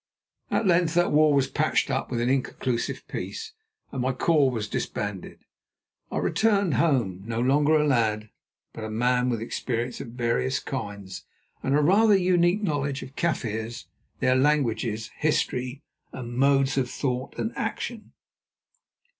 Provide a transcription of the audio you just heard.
At length that war was patched up with an inconclusive peace and my corps was disbanded. I returned home, no longer a lad, but a man with experience of various kinds and a rather unique knowledge of Kaffirs, their languages, history, and modes of thought and action.